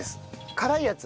辛いやつ？